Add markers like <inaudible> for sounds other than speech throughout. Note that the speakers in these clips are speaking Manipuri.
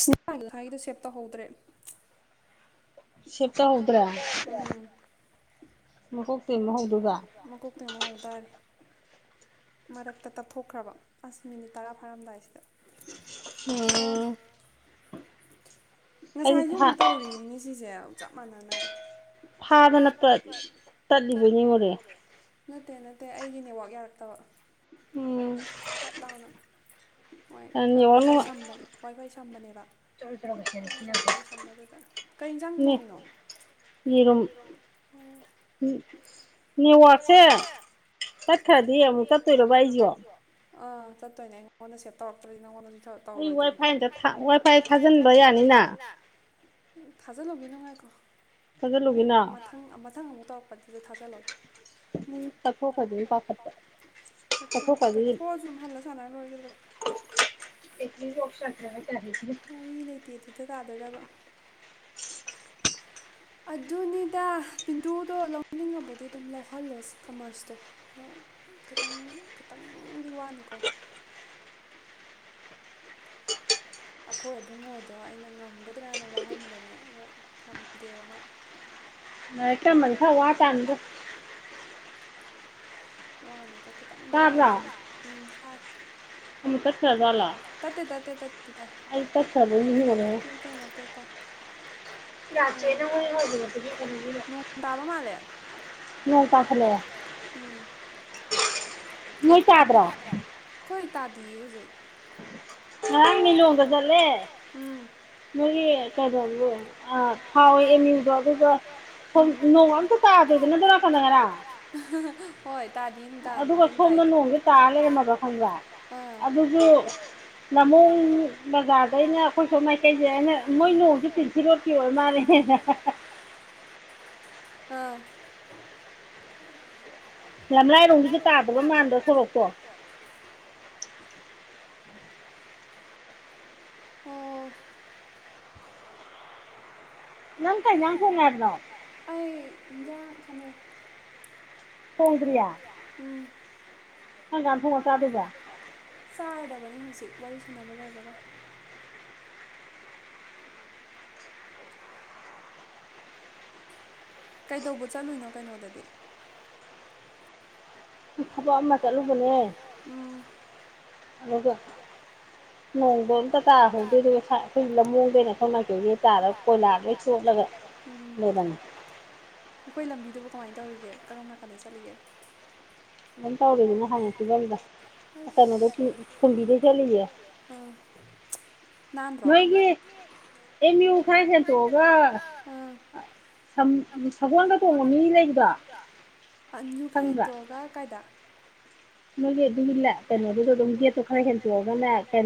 ꯒꯤ ꯊꯥꯏꯒꯤꯗꯨ ꯁꯦꯞ ꯇꯧꯍꯧꯗ꯭ꯔꯦ ꯎꯝ ꯀꯣꯛꯇ ꯑꯃꯗꯔꯦ ꯃꯔꯛꯇ ꯇꯞꯊꯣꯛꯈ꯭ꯔꯕ ꯑꯁ ꯃꯤꯅꯤꯠ ꯇꯔꯥ ꯐꯥꯔꯝꯗꯥꯏꯁꯤꯗ ꯏꯔꯥꯅꯤ ꯉꯁꯥꯏꯁꯨ ꯑꯃꯨꯛ ꯇꯧꯔꯤꯅꯤꯅꯦ ꯁꯤꯁꯦ ꯆꯞ ꯃꯥꯟꯅꯅ ꯍꯥ ꯃ ꯆꯕ ꯅꯠꯇ ꯅ ꯑꯦ ꯑꯩꯒꯤ ꯅꯦꯠꯋꯥꯛ ꯌꯥꯔꯛꯇꯕ ꯎꯝ ꯐꯠꯂꯥꯎꯅ ꯋꯥꯏ ꯐꯥꯏ ꯋꯥꯏ ꯐꯥꯏ ꯁꯝꯕꯅꯦꯕ ꯋꯥꯏ ꯐꯥꯏ ꯁꯝꯕꯗꯨꯗ ꯀꯩ ꯌꯦꯟꯁꯥꯡ ꯊꯣꯡꯉꯤꯅꯣꯣꯏ ꯑꯥ ꯆꯠꯇꯣꯏꯅꯦ ꯑꯩꯉꯣꯟꯗ ꯁꯦꯠ ꯇꯧꯔꯛꯇ꯭ꯔꯗꯤ ꯅꯉꯣꯟꯗ ꯇꯧꯔꯣꯏꯗꯤ ꯋꯥꯏ ꯐꯥꯏ ꯊꯥꯖꯤꯟꯕ ꯌꯥꯅꯤꯅ ꯊꯖꯜꯂꯨꯒꯤꯅꯨ ꯉꯥꯏꯈꯣ ꯍꯣꯏ ꯃꯊꯪ ꯃꯊꯪ ꯑꯃꯨꯛ ꯑꯗꯨꯗ ꯊꯥꯖꯜꯂꯣ ꯑꯍꯨꯝ ꯍꯥꯂꯥ ꯁꯥꯟ ꯂꯣꯏꯔꯦ ꯂꯩꯗꯧꯔꯒꯩ ꯉꯥꯔꯤꯂꯩꯇꯦꯗꯨꯗꯥ ꯇꯥꯗꯣꯏꯔꯕ ꯑꯗꯨꯅꯤꯗ ꯄꯤꯟꯇꯗꯣ ꯂꯧꯅꯤꯡꯉꯕꯨꯗꯤ ꯑꯗꯨꯝ ꯂꯧꯍꯜꯂꯣ ꯀꯃꯔꯁꯇꯣ ꯑꯗꯣ ꯈꯤꯇꯪ ꯈꯤꯇꯪꯗꯤ ꯋꯥꯅꯤꯀꯣ ꯑꯈꯣꯏ ꯏꯕꯨꯡꯉꯣꯗꯣ ꯑꯩꯅ ꯉꯝꯒꯗ꯭ꯔꯅ ꯂꯧꯍꯟꯕꯅꯦ ꯑꯗꯣ ꯉꯝꯗꯦꯕ ꯑꯃ ꯂꯥꯏꯔꯤꯛ ꯇꯝꯃꯗꯤ ꯈꯔ ꯋꯥꯥ ꯇꯥꯃꯤꯗꯣ ꯋꯥꯅꯤ ꯈꯤꯇꯪꯗꯤ ꯋꯥꯅꯤ ꯎꯝ ꯇꯥꯏ ꯇꯠꯇꯦ ꯇꯠꯇꯦ ꯇꯠꯇꯦ ꯇꯥꯏ ꯅꯠꯇꯦ ꯅꯠꯇꯦ ꯇꯥꯏ ꯔꯆꯦꯅ <unintelligible> ꯅꯣꯏ ꯇꯗꯔꯣ ꯇꯥꯗꯌꯦ ꯍꯧꯖꯤꯛ ꯉꯔꯥꯡ ꯅꯂꯣꯡꯗ ꯆꯠꯂꯦ ꯎꯝ ꯃꯣꯌꯒꯤ ꯀꯩꯅꯣꯗꯨ ꯐꯥꯑꯣꯔꯦ ꯑꯃꯌꯨ ꯗꯨ ꯑꯗꯨꯗꯣ ꯁꯟ ꯅꯣꯡ ꯑꯝꯇ ꯇꯥꯗꯣꯏꯗꯅꯥ ꯖꯔꯥ ꯈꯥꯃꯦꯟ ꯇꯔꯥ ꯍꯣꯌ ꯇꯥꯗꯤ ꯎꯝ ꯇꯥꯅꯤꯗꯤꯝ ꯇꯥꯌꯦ ꯑꯍꯩꯅꯣꯟ ꯅꯣꯡꯁꯤ ꯇꯥ ꯂꯩꯔꯝꯕꯥ ꯈꯡꯕꯔꯥ ꯑꯥ ꯑꯗꯨꯁꯨ ꯂꯃꯣꯏ ꯕꯖꯥꯔꯗꯩꯅ ꯑꯩꯈꯣꯏꯁꯨ ꯃꯥꯏꯀꯩꯁꯦ ꯑꯩꯅ ꯃꯣꯏꯅ ꯐꯤꯔꯣꯀꯤ ꯑꯣꯏ ꯃꯥꯜꯂꯦ ꯍꯦꯟꯅꯄ ꯑꯥ ꯌꯥꯝ ꯂꯥꯏꯔꯣꯝꯒꯤꯁꯦ ꯇꯥꯗꯕ ꯃꯥꯟꯗ꯭ꯔ ꯁꯣꯔꯣꯛꯇꯣ ꯑꯣ ꯉꯪ ꯀ ꯉꯥꯡ ꯐꯟꯅꯥꯏꯔꯅꯣ ꯐꯃꯦ ꯎꯝ ꯅꯪꯀꯥꯟ ꯊꯣꯡꯉ ꯆꯥꯗꯗ ꯆꯥꯔꯗꯕꯅꯤ ꯍꯧꯖꯤꯛ ꯋꯥꯔꯤ ꯁꯥꯟꯅꯕ ꯂꯣꯏꯕꯒ ꯀꯩꯗꯧꯕ ꯆꯠꯂꯨꯅꯣ ꯀꯩꯅꯣꯗꯗꯤ ꯊꯕꯛ ꯑꯃ ꯆꯠꯂꯨꯕꯅꯦ ꯎ ꯑꯝꯇ ꯇꯥꯗꯗ ꯑꯣꯏꯅꯧꯅ ꯇꯥꯔ ꯀꯣꯏꯂꯥ ꯂꯣꯏ ꯁꯣꯂꯔꯦ ꯎ ꯑꯩꯣꯏꯕꯤ ꯀꯃꯥꯏꯅ ꯇꯧꯔꯤꯒꯦ ꯀꯔꯝ ꯅꯥꯀꯟꯗ ꯆꯠꯂꯤꯒꯦ <unintelligible> ꯑꯩꯁ <unintelligible> ꯑꯥ ꯅꯥꯟꯗꯔꯣ ꯅꯣꯏꯒꯤ ꯑꯦꯝ ꯌꯨ ꯈꯔꯥ ꯍꯦꯟꯗꯣꯛ ꯒꯥ ꯁꯒꯣꯜ ꯒꯥ ꯇꯣꯡꯕ ꯃꯤ ꯂꯩꯇꯔꯥ ꯑꯟ ꯌꯨ ꯈꯔꯥ ꯍꯦꯟꯇꯣꯛ ꯑꯒ ꯀꯥꯏꯗ ꯅꯣꯏꯒꯤ ꯑꯗꯨꯒꯤ ꯒꯦꯠ ꯇꯣ ꯈꯔꯥ ꯍꯦꯟꯇꯣꯛ ꯑꯒꯅꯦ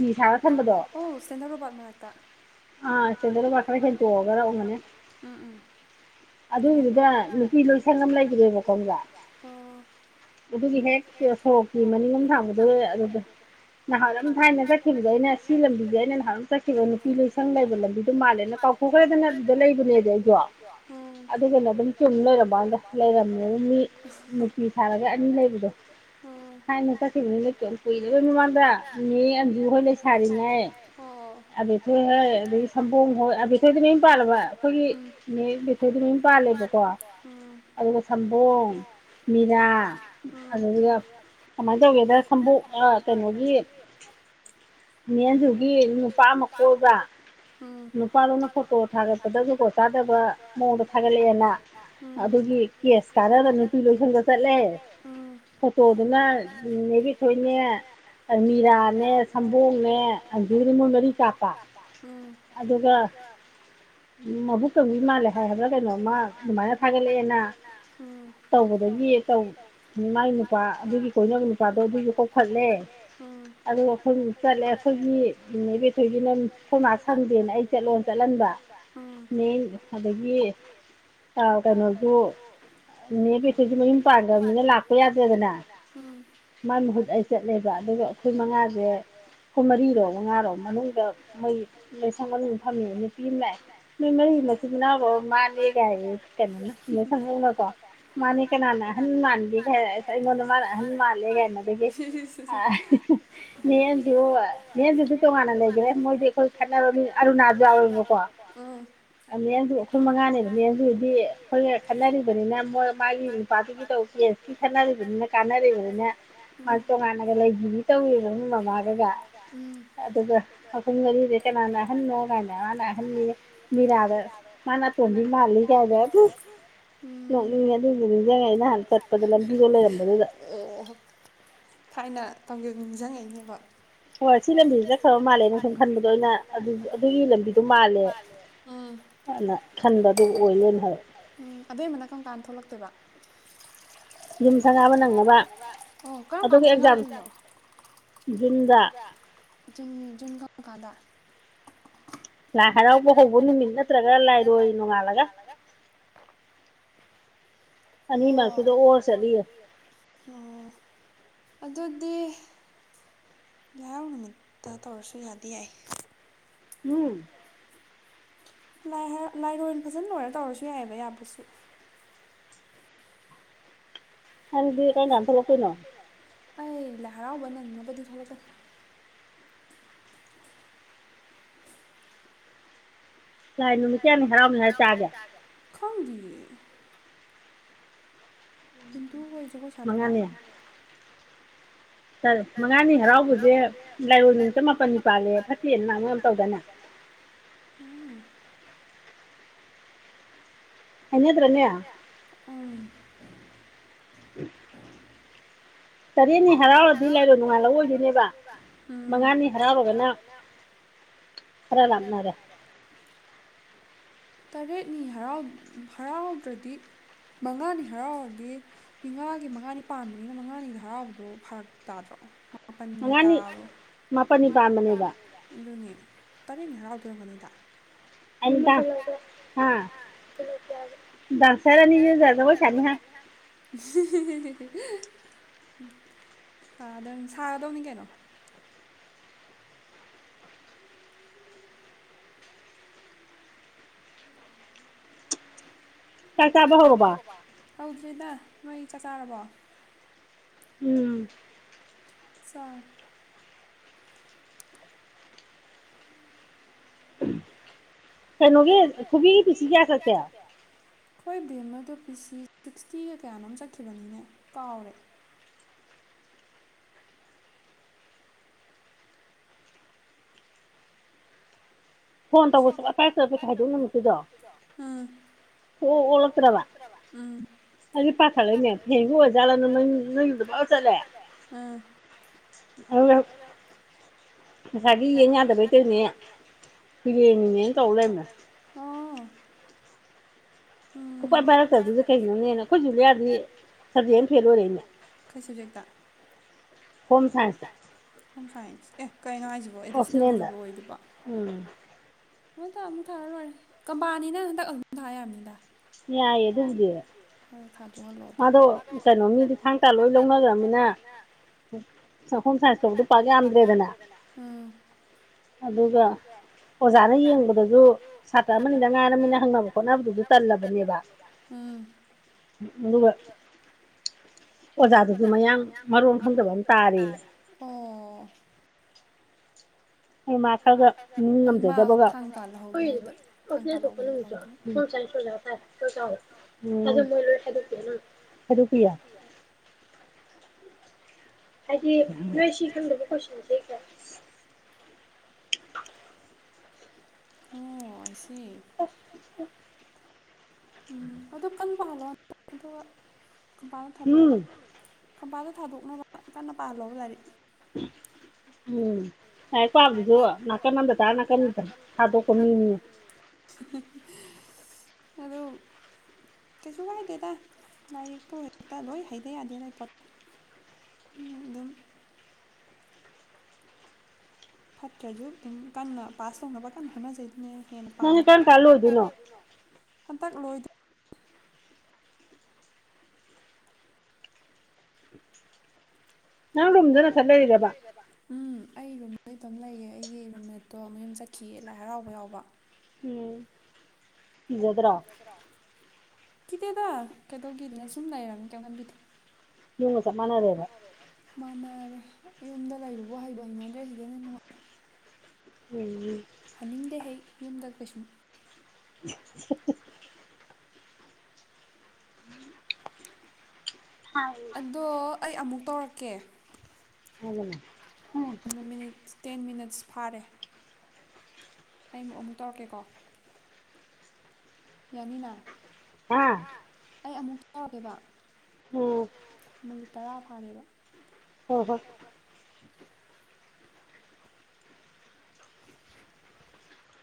ꯃꯨꯔꯇꯤ ꯁꯔꯥ ꯊꯝꯕ ꯗꯣ ꯑꯣ ꯁꯇꯦꯟꯗꯔ ꯔꯣꯕꯔꯠ ꯃꯅꯥꯛꯇ ꯑ ꯆꯗꯣ ꯄꯀꯔ ꯍꯦ ꯇꯒꯔ ꯑꯅꯦ ꯑꯗꯨꯒꯤꯗꯨꯗ ꯅꯨꯄꯤ ꯂꯣꯏꯁꯪ ꯑꯃ ꯂꯩꯈ꯭ꯔꯦ ꯃꯇꯝꯗ ꯎ ꯑꯗꯨ ꯁꯣꯔꯣꯛꯀꯤ ꯃꯅꯤꯡꯂꯣꯝ ꯊꯥꯡꯕꯗ ꯑꯗꯨꯗ ꯅꯍꯥꯥꯟ ꯑꯝ ꯊꯥꯏꯅ ꯆꯠꯈꯤꯕꯗꯣ ꯑꯩꯅ ꯁꯤ ꯂꯝꯕꯤꯁꯦ ꯑꯩꯅ ꯅꯍꯥꯜ ꯆꯠꯈꯤꯕ ꯅꯨꯄꯤ ꯂꯣꯏꯁꯪ ꯂꯩꯕ ꯂꯝꯕꯤꯗꯣ ꯃꯥꯜꯂꯦꯅ ꯀꯥꯎꯊꯣꯛꯈ꯭ꯔꯦꯗꯅ ꯑꯗꯨꯗ ꯂꯩꯕꯅꯦꯗꯤ ꯑꯩꯗꯣ ꯑꯗꯨꯩꯅꯣ ꯑꯗꯨꯝ ꯆꯨꯝ ꯂꯣꯏꯔꯕꯥꯟꯗ ꯂꯩꯔꯝꯃꯦ ꯑꯗꯨ ꯃꯤ ꯅꯨꯄꯤꯤ ꯁꯥꯔꯒ ꯑꯅꯤ ꯂꯩꯕꯗꯣ ꯊꯥꯏꯅ ꯆꯠꯈꯤꯕꯅꯤ ꯂꯩꯠꯇꯣ ꯀꯨꯏꯔꯔꯕꯣꯏ ꯃꯃꯥꯡꯗ ꯃꯤ ꯑꯟꯖꯨ ꯍꯣꯏ ꯂꯩꯁꯥꯔꯤꯉꯩ ꯑꯕꯦꯊꯣꯏ ꯍꯣꯏ ꯑꯗꯒꯤ ꯁꯝꯕꯣꯝ ꯍꯣꯏ ꯑꯕꯦꯊꯣꯏꯗ ꯂꯣꯏ ꯄꯥꯕ ꯑꯩꯈꯣꯏꯒꯤ ꯣꯏ ꯂ ꯄꯥꯜꯂꯦꯕꯀꯣ ꯑꯗꯨꯒ ꯁꯝꯕꯣꯝ ꯃꯤꯔꯥ ꯑꯗꯨꯒ ꯀꯃꯥꯏꯅ ꯇꯧꯒꯦꯗ ꯁꯝꯕꯣꯛ ꯀꯩꯅꯣꯒꯤ ꯃꯦꯟꯖꯒꯤ ꯅꯨꯄꯥ ꯑꯃ ꯀꯣꯏꯕ ꯅꯨꯄꯥꯗꯨꯅ ꯐꯣꯇꯣ ꯊꯥꯒꯠꯄꯗ ꯨꯀꯣ ꯆꯥꯗꯕ ꯊꯥꯒꯠꯅ ꯎ ꯑꯗꯨꯒꯤ ꯀꯦꯁ ꯀꯥꯅꯁꯤꯡꯗ ꯏꯗ ꯆꯠꯂꯦ ꯇꯣꯗꯨꯅ ꯅꯦꯕꯤꯊꯣꯏꯅꯦ ꯃꯤꯔꯥꯅꯦ ꯁꯝꯕꯣꯅꯦ ꯑꯕꯨꯗꯤ ꯃꯣꯏ ꯃꯔꯤ ꯀꯥꯞꯄ ꯑꯗꯨꯒ ꯃꯕꯨꯛ ꯀꯪꯕꯤ ꯃꯥꯜꯂꯦ ꯍꯥꯏ ꯍꯥꯏꯕ꯭ꯔꯥ ꯀꯩꯅꯣꯝꯃ ꯑꯗꯨꯃꯥꯏꯅ ꯊꯥꯒꯠꯂꯛꯑꯦꯅ ꯇꯧꯕꯗꯒꯤ ꯇꯧ ꯃꯃꯒꯤ ꯅꯨꯄꯥ ꯑꯗꯨꯒꯤ ꯀꯣꯟꯖꯧ ꯅꯨꯄꯥꯗꯣ ꯑꯗꯨꯏꯁꯨ ꯀꯣꯛꯈꯠꯂꯦ ꯑ ꯑꯩꯈꯣꯏ ꯆꯠꯂꯦ ꯑꯩꯈꯣꯏꯒꯤ ꯅꯩꯕꯦꯊꯣꯏꯒꯤꯅ ꯊꯣꯏꯅꯥ ꯁꯪꯗꯦꯅ ꯑꯩ ꯆꯠꯂꯣ ꯆꯠꯍꯟꯕ ꯅ ꯑꯗꯒꯤ ꯀꯩꯅꯣꯗꯨ ꯅꯦ ꯄꯩꯊꯦꯁꯨ ꯃꯌꯨꯝ ꯄꯥꯟꯈ꯭ꯔꯕꯅꯤꯅ ꯂꯥꯛꯄ ꯌꯥꯗꯦ ꯆꯦꯗꯅ ꯃꯥꯏ ꯃꯍꯨꯠ ꯑꯩ ꯆꯠꯂꯦꯕ ꯑꯗꯨꯒ ꯑꯩꯈꯣꯏ ꯃꯉꯥꯁꯦ ꯑꯩꯈꯣꯏ ꯃꯔꯤꯔꯣ ꯃꯉꯥꯔꯣ ꯃꯅꯨꯡꯗ ꯃꯣꯏ ꯂꯁꯪ ꯃꯅꯨꯡꯗ ꯐꯝꯃꯦ ꯅꯨꯄꯤ ꯑꯃ ꯂꯩ ꯅꯣꯏ ꯃꯔꯤ ꯅꯥꯎꯕ ꯃꯥꯅꯦꯒꯥꯏ ꯀꯩꯅꯣ ꯁꯪꯧꯅꯀꯣ ꯃꯥꯅꯤ ꯀꯅꯥꯅ ꯑꯍꯟ ꯃꯥꯥꯟꯒꯦꯔ ꯑꯩꯉꯣꯟꯗ ꯃꯥꯅ ꯑꯍꯟ ꯃꯥꯜꯂꯦ ꯀꯥꯏꯅꯗꯒꯤ ꯃꯤꯦꯟꯗꯨ ꯃꯤꯦꯟꯗꯨꯁꯨ ꯇꯣꯉꯥꯟꯅ ꯂꯩꯈ꯭ꯔꯦ ꯃꯣꯏꯗꯤ ꯑꯩꯈꯣꯏ ꯈꯠꯅꯕꯅꯤ ꯑꯔꯨꯅꯥꯖꯥꯋꯦꯕꯀꯣ ꯃꯦꯟꯗꯨ ꯑꯩꯈꯣꯏ ꯃꯉꯥꯅꯦꯅ ꯃꯦꯟꯗꯨꯗꯤ ꯑꯩꯈꯣꯏꯒ ꯈꯠꯅꯔꯤꯕꯅꯤꯅ ꯃꯣꯏ ꯃꯥꯒꯤ ꯅꯨꯄꯥꯗꯨꯒꯤ ꯇꯧ ꯀꯦꯁꯀꯤ ꯈ ꯑꯗꯨꯝꯅ ꯀꯥꯟꯅꯔꯤꯕꯅꯤꯅ ꯃꯥꯒꯤ ꯇꯣꯉꯥꯟꯅꯒ ꯂꯩꯕꯤꯗꯤ ꯇꯧꯋꯦꯕ ꯃꯃꯥꯒꯒ ꯑꯗꯨꯒ ꯃꯐꯝ ꯃꯔꯤꯁ ꯀꯅꯥꯅ ꯑꯍꯟꯅꯣ ꯀꯥꯏꯅ ꯃꯥꯅ ꯑꯍꯟꯒꯤ ꯃꯤꯔꯥꯗ ꯃꯥꯅꯇꯣꯝꯕꯤ ꯃꯥꯜꯂꯤ ꯀꯥꯏꯗ ꯅꯣꯛꯅꯤꯡꯉꯦ ꯑꯗꯨꯕꯨ ꯅꯤꯡꯁꯤꯡꯉ ꯅꯍꯥꯟ ꯆꯠꯄꯗ ꯂꯝꯕꯤꯗꯣ ꯂꯩꯔꯝꯕ ꯑꯣ ꯐꯥꯏꯅꯜ ꯅꯤꯡꯁꯤꯡꯉꯛꯏꯅꯦꯕꯣ ꯍꯣꯏ ꯁꯤ ꯂꯝ ꯃꯤꯁꯤ ꯆꯠꯠꯇꯔ ꯃꯥꯜꯂꯦ ꯈꯟꯕꯗ ꯑꯣꯏꯅ ꯎꯝ ꯎꯝ ꯑꯕꯦꯝ ꯑꯃꯅ ꯀꯔꯝ ꯀꯥꯟꯅ ꯊꯣꯛꯂꯛꯇꯣꯏꯕ ꯌꯨꯝ ꯁꯪꯒꯥꯕ ꯅꯪꯅꯕ ꯑꯗꯨꯒꯤ ꯑꯦꯛꯖꯥꯝ ꯨꯝꯗ ꯀꯗ ꯂꯥꯏ ꯍꯔꯥꯎꯕ ꯍꯧꯕ ꯅꯨꯃꯤꯠ ꯅꯠꯇ꯭ꯔꯒ ꯂꯥꯏꯔꯣꯏ ꯅꯣꯡꯉꯥꯜꯂꯒ ꯑꯅꯤ ꯃꯔꯔꯛꯇꯨꯗ ꯍꯔ ꯆꯂꯤꯦ ꯑꯗꯨꯗꯤ ꯂꯩꯔꯥꯎ ꯅꯨꯃꯤꯠꯇ ꯇꯧꯔꯁꯨ ꯌꯥꯗꯤ ꯌꯥꯏ ꯎꯝ ꯂꯥꯏꯔꯣꯏ ꯐꯖꯅ ꯂꯣꯏꯔ ꯇꯧꯔꯁꯨ ꯌꯥꯏꯑꯕ ꯌꯥꯕꯁꯨ ꯑ ꯂ ꯍꯔꯥꯎꯕ ꯅꯪꯅꯕꯗꯤ ꯊꯣꯛꯂꯛꯀꯅꯤ ꯂꯥꯏꯅ ꯃꯤ ꯀꯌꯥꯃꯤ ꯍꯥꯏꯔꯥꯎꯃꯤ ꯍꯥꯏꯔ ꯆꯥꯒ ꯈꯪꯗꯌꯦ ꯄꯤꯟꯇꯨ ꯍ ꯁꯗꯔꯥ ꯃꯉꯥꯅꯤ ꯍꯔꯥꯎꯕꯁꯦ ꯂꯥꯏꯑꯣꯣꯏ ꯅꯨꯃꯤꯇ ꯃꯥꯄꯜꯅꯤ ꯄꯥꯜꯂꯦ ꯐꯠꯇꯦꯅ ꯅꯍꯥꯡꯝ ꯇꯧꯗꯅ ꯎꯝ ꯎꯝ ꯇꯔꯦꯠꯅꯤ ꯍꯔꯥꯎꯕꯗꯤ ꯂꯩꯔꯦ ꯅꯉꯥꯏ ꯂꯧꯑꯣꯗꯣꯏꯅꯦꯕ ꯃꯉꯥꯅꯤ ꯍꯔꯥꯎꯔꯒꯅ ꯈꯔ ꯂꯞꯅꯔꯦ ꯇꯔꯦꯠꯅꯤ ꯍꯔꯥꯎ ꯍꯔꯥꯎꯗ꯭ꯔꯗꯤ ꯃꯉꯥꯅꯤ ꯍꯔꯥꯎꯔꯗꯤ ꯅꯤꯉꯥꯒꯤ ꯃꯉꯥꯅꯤ ꯄꯥꯟꯕꯅꯤꯅ ꯃꯉꯥꯅꯤꯗ ꯍꯔꯥꯎꯕꯗꯣ ꯐꯔꯛ ꯇꯥꯗ꯭ꯔꯣ ꯇ ꯑꯗꯨꯅꯦ ꯇꯔꯦꯠꯅꯤ ꯍꯔꯥꯎꯗꯣꯏꯔꯝꯒꯅꯤꯗ ꯗꯁꯔꯅꯤꯗꯧꯕꯁꯅꯤ ꯍꯥ ꯎꯝꯗ ꯁꯥꯒꯗꯧꯅꯤ ꯀꯩꯅꯣ ꯍꯧꯗ꯭ꯔꯔꯤꯗ ꯅꯣꯏ ꯆꯥꯛ ꯆꯥꯔꯕꯣ ꯎꯝ ꯆꯥꯎ ꯍꯣꯏ ꯕꯤꯃ ꯑꯇꯣ ꯄꯤꯁꯤ ꯁꯤꯛꯁꯇꯤꯒ ꯀꯌꯥꯅꯣꯝ ꯆꯠꯈꯤꯕꯅꯤꯅꯦ ꯀꯥꯎꯔꯦ ꯍꯥꯏꯕ ꯅꯨꯃꯤꯠꯇꯗꯣ ꯑꯣꯂꯛꯇ꯭ꯔꯕ ꯄꯥꯈꯠ ꯂꯩꯅꯦ ꯍꯖꯂꯅꯦ ꯉꯁꯥꯏꯗꯤ ꯌꯦ ꯌꯥꯗꯕꯩ ꯇꯣꯏꯅꯦ ꯕꯤꯔꯌꯥꯅꯤꯅꯦꯅ ꯇꯧ ꯂꯩꯃꯦ <inaudible> ꯎꯝꯔꯕ ꯀꯩꯅꯅꯣꯅꯦꯅ ꯑꯩꯈꯣꯏꯁꯨ ꯌꯥꯗꯤ ꯐ ꯑꯣꯏꯔ ꯁ ꯍꯣꯝ ꯊꯥꯏꯟꯁ ꯍꯣꯝ ꯁꯥꯏꯌꯦꯟꯁ ꯑꯦ ꯀꯩꯅꯣ ꯍꯥꯏꯁꯤꯕꯣ ꯑꯦꯗꯤꯁꯅꯦꯜꯗꯕꯨ ꯑꯣꯏꯗꯕ ꯑꯃ ꯑꯃꯨꯛ ꯊꯥꯔ ꯂꯣꯏꯔꯦ ꯀꯝꯕꯥꯅꯤꯅ ꯍꯟꯗꯛ ꯑꯃ ꯊꯥ ꯌꯥꯕꯅꯤꯗ ꯌꯥꯏꯌꯦ ꯑꯗꯨ ꯎꯗꯤ ꯑꯗꯣ ꯀꯩꯅꯣꯅꯤꯗꯤ ꯊꯥꯡ ꯇꯥ ꯂꯣꯏ ꯂꯧꯅꯈ꯭ꯔꯕꯅꯤꯅ ꯍꯣꯝ ꯁꯥꯏꯟꯁꯇꯛꯇ ꯄ ꯌꯥꯝꯗ꯭ꯔꯦꯗꯅ ꯑꯗꯨꯒ ꯑꯣꯖꯥꯅ ꯌꯦꯡꯗ꯭ꯔꯁꯨ ꯁꯥꯇ꯭ꯔ ꯑꯃꯅꯤꯅ ꯉꯥꯔꯕꯅꯤꯅ ꯍꯪꯅꯕ ꯈꯣꯠꯅꯕꯗꯨ ꯇꯜꯂꯕ ꯎꯝ ꯑꯗꯨꯒ ꯑꯣꯖꯥꯗꯨꯁꯨ ꯃꯌꯥꯝ ꯃꯔꯣꯟ ꯈꯪꯖꯕ ꯑꯃ ꯇꯥꯔꯤ ꯑꯣ ꯍ ꯃꯥ ꯈꯔꯒ ꯅꯤꯡ ꯉꯝꯖꯗꯕꯒ ꯍꯥꯏꯗꯤ ꯔꯣꯏꯁꯤ ꯈꯪꯗꯕꯨ ꯀꯁꯅꯁꯦ ꯀ ꯑꯣ <unintelligible> ꯎꯝ ꯑꯗꯨꯣ ꯀ ꯐꯍꯜꯂꯣ ꯑꯝꯇ ꯑꯗꯨꯒ ꯀꯝꯄꯥꯗꯣ ꯊꯥꯗꯣꯛꯑꯒ ꯀꯝꯄꯥꯗꯣ ꯊꯥꯗꯣꯛꯅꯕ ꯀꯟꯅ ꯄꯥꯍꯜꯂꯣꯕ ꯂꯥꯏꯔꯤꯛ <unintelligible> ꯎꯝ ꯂꯥꯏꯔꯤꯛ ꯄꯥꯕꯖꯨ ꯅꯥꯀꯟ ꯑꯃꯗ ꯇꯥꯔ ꯅꯥꯀꯟ ꯑꯃꯗ ꯊꯥꯗꯣꯛꯄ ꯃꯤꯅꯤ ꯑꯗꯨ ꯀꯩꯁꯨ ꯀꯥꯏꯗꯦꯗ ꯂꯥꯏꯔꯤꯛꯄꯨ ꯍꯦꯛꯇ ꯂꯣꯏ ꯍꯩꯗ ꯌꯥꯗꯦ ꯂꯣꯏ ꯄꯣꯠꯇꯦ ꯑꯗꯨꯝ ꯐꯠꯇ꯭ꯔꯁꯨ ꯑꯗꯨꯝ ꯀꯟꯅ ꯄꯥꯁ ꯇꯧꯅꯕ ꯀꯟꯅ ꯍꯣꯠꯅꯖꯩꯗꯨꯅꯤ ꯍꯦꯟꯅ ꯄꯥꯝꯃꯦ ꯍꯟꯇꯛ ꯂꯣꯏ ꯎꯝ ꯑꯩ ꯔꯨꯝ ꯑꯩ ꯏꯇꯣꯝ ꯂꯩꯌꯦ ꯑꯩꯒꯤ ꯔꯨꯝꯃꯦꯠꯇꯣ ꯃꯌꯨꯝ ꯆꯠꯈꯤꯌꯦ ꯂꯥꯏ ꯍꯔꯥꯎꯕ ꯌꯥꯎꯕ ꯎꯝ ꯀꯤꯖꯗꯔꯣ ꯀꯤꯗꯦꯗ ꯀꯩꯗꯧ ꯀꯤꯗꯣꯏꯅꯣ ꯁꯨꯝ ꯂꯩꯔꯕꯅꯤꯅ ꯀꯩꯝ ꯈꯟꯕꯤꯗꯦ ꯃꯥꯅꯔꯦ ꯌꯨꯝꯗ ꯂꯩꯕꯕꯨ ꯍꯩꯕꯨ ꯍꯩꯅꯗ꯭ꯔꯦ ꯁꯤꯗꯅ ꯅꯨꯡꯉꯥꯏ ꯎꯝ ꯍꯟꯅꯤꯡꯗꯦ ꯑꯩ ꯌꯨꯝꯗ ꯀꯩꯁꯨꯝ <inaudible> ꯎꯝ ꯑꯗꯣ ꯑꯩ ꯑꯃꯨꯛ ꯇꯣꯔꯛꯀꯦ <unintelligible> ꯃꯤꯅꯤꯠ ꯇꯦꯟ ꯃꯤꯅꯠ ꯐꯥꯔꯦ ꯑꯩꯃꯨꯛ ꯑꯃꯨꯛ ꯇꯧꯔꯛꯀꯦꯀꯣ ꯌꯥꯅꯤꯅ ꯍ ꯑꯩ ꯑꯃꯨꯛ ꯇꯧꯔꯒꯦꯕ ꯎꯝ ꯇꯔꯥ ꯐꯥꯔꯦꯕ ꯍ ꯍꯣ